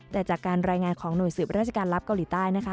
แต่จากการรายงานของหน่วยสืบราชการลับเกาหลีใต้นะคะ